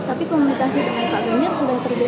tapi komunikasi dengan pak ganjar sudah terjalin belum sih mas